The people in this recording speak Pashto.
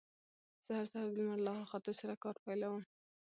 زه هر سهار د لمر له راختو سره کار پيلوم.